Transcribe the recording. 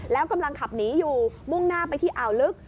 แล้วกำลังขับหนีอยู่มุ่งหน้าไปที่อ่าวลึก